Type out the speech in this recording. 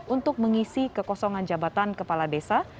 untuk mengisi kekosongan jabatan kepala desa